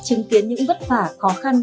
chứng kiến những vất vả khó khăn